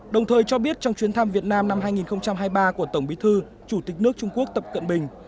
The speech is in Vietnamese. đồng thời cho biết trong chuyến thăm việt nam năm hai nghìn hai mươi ba của tổng bí thư chủ tịch nước trung quốc tập cận bình